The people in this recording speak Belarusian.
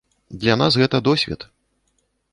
Для нас гэта досвед.